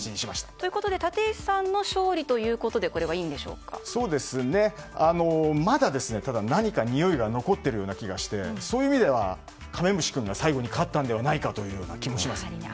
ということで立石さんの勝利ということでただ、まだにおいが残っている気がしてそういう意味ではカメムシ君が最後に勝ったのではないかという気もしますね。